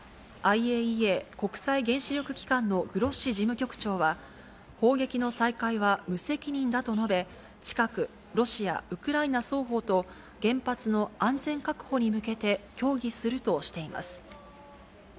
ＩＡＥＡ・国際原子力機関のグロッシ事務局長は、砲撃の再開は無責任だと述べ、近く、ロシア、ウクライナ双方と原発の安全確保に向けて、協議するとしています。